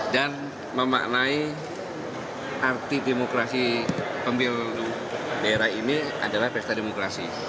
dan memaknai arti demokrasi pemilu daerah ini adalah pesta demokrasi